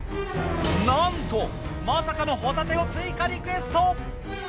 なんとまさかのホタテを追加リクエスト！